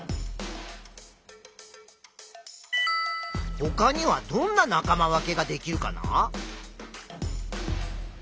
ほかにはどんな仲間分けができるかな？